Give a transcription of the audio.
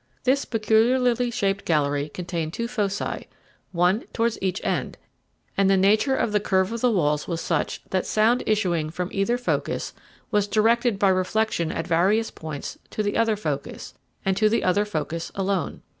This peculiarly shaped gallery contained two foci one towards each end and the nature of the curve of the walls was such that sound issuing from either focus was directed by reflection at various points to the other focus, and to the other focus alone.